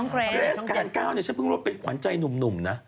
เกรสกาศกาวนี่ฉันเพิ่งรวมเป็นขวานใจหนุ่มนะ